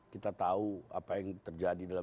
kita tahu apa yang terjadi dalam sembilan bulan